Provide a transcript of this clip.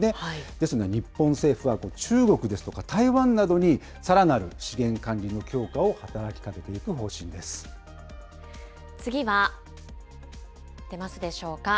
ですので、日本政府は中国ですとか台湾などに、さらなる資源管理次は、出ますでしょうか。